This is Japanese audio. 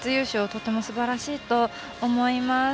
とってもすばらしいと思います。